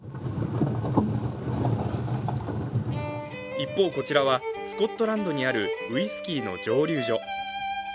一方、こちらはスコットランドにあるウイスキーの蒸留所。